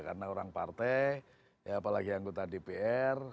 karena orang partai apalagi anggota dpr